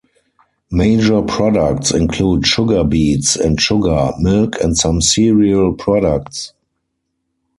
Major products include sugar beets and sugar, milk and some cereal products.